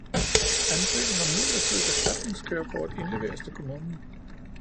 Ansøgning om midlertidigt erstatningskørekort indleveres til kommunen